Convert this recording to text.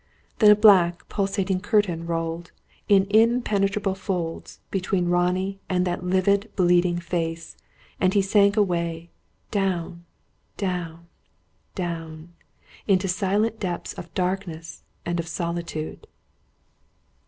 Then a black pulsating curtain rolled, in impenetrable folds, between Ronnie and that livid bleeding face, and he sank away down down down into silent depths of darkness and of solitude.